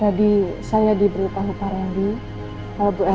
tadi saya diberitahu pak reni bu elsa dan bu anding mengalami kecelakaan